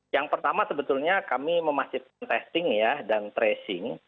yang pertama sebetulnya kami memastikan testing ya dan tracing